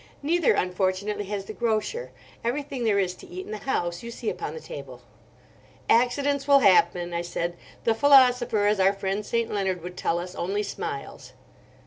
"Neither unfortunately has the grocer. Everything there is to eat in the house you see upon the table." "Accidents will happen," I said. "The philosopher—as our friend St. Leonard would tell us—only smiles."